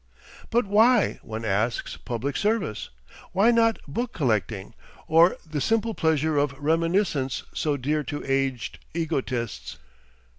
(But why, one asks, public service? Why not book collecting or the simple pleasure of reminiscence so dear to aged egotists?